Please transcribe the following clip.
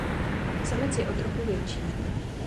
Samec je o trochu větší.